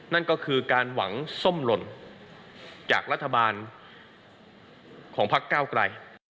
นั่นก็คือการหวังส้มหล่นจากรัฐบาลของพักเก้าไกล